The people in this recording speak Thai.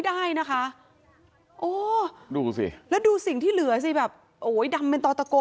ได้นะคะโอ้ดูสิแล้วดูสิ่งที่เหลือสิแบบโอ้ยดำเป็นต่อตะโก